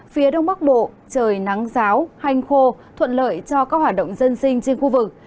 phía đông bắc bộ trời nắng giáo hanh khô thuận lợi cho các hoạt động dân sinh trên khu vực